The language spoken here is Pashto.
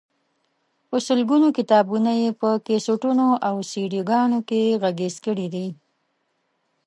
په سلګونو کتابونه یې په کیسټونو او سیډيګانو کې غږیز کړي دي.